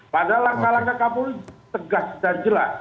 padahal langkah langkah kapolri tegas dan jelas